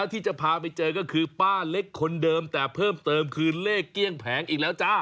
ที่จะพาไปเจอก็คือป้าเล็กคนเดิมแต่เพิ่มเติมคือเลขเกลี้ยงแผงอีกแล้วจ้า